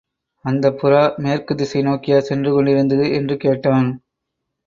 அந்தப் புறா மேற்குத் திசை நோக்கியா சென்று கொண்டிருந்தது? என்று கேட்டான்.